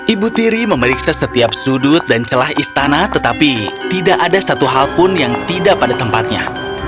ibu tiri memeriksa setiap sudut dan celah istana tetapi tidak ada satu hal pun yang tidak pada tempatnya